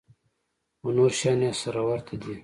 خو نور شيان يې سره ورته دي.